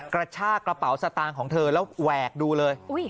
กระชากระเป๋าสตางค์ของเธอแล้วแหวกดูเลย